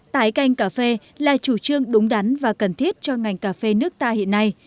tái canh cà phê là chủ trương đúng đắn và cần thiết cho ngành cà phê nước ta hiện nay